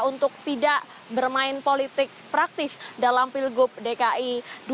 untuk tidak bermain politik praktis dalam pilgub dki dua ribu tujuh belas